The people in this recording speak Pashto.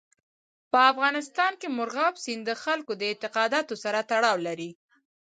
په افغانستان کې مورغاب سیند د خلکو د اعتقاداتو سره تړاو لري.